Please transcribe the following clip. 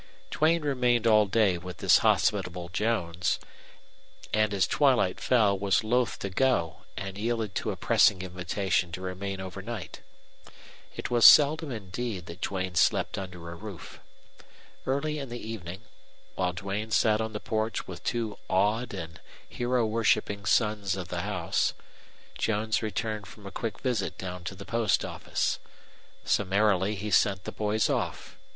Duane remained all day with this hospitable Jones, and as twilight fell was loath to go and yielded to a pressing invitation to remain overnight. It was seldom indeed that Duane slept under a roof. Early in the evening, while Duane sat on the porch with two awed and hero worshiping sons of the house, Jones returned from a quick visit down to the post office. Summarily he sent the boys off.